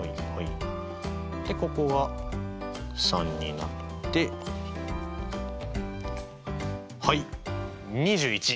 でここが３になってはい２１。